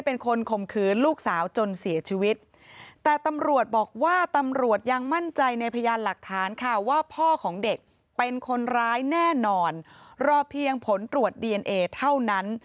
พ่อของเด็กเป็นคนร้ายแน่นอนรอเพียงผลตรวจดีเอนเอเท่านั้น